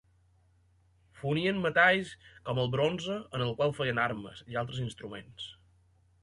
Fonien metalls com el bronze, en el qual feien armes i altres instruments.